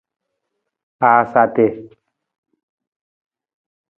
Haasa ati.